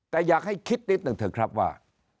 แต่อยากให้คิดนิดหนึ่งเถอะครับว่า